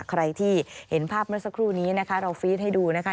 ใครที่เห็นภาพเมื่อสักครู่นี้นะคะเราฟีดให้ดูนะคะ